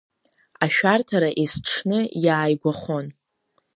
Ашәарҭара есҽны иааигәахон.